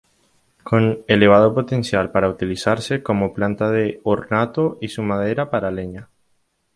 Con elevado potencial para utilizarse como planta de ornato y su madera para leña.